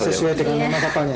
sesuai dengan nama kapalnya